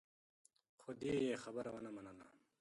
خو دې يې خبره ونه منله.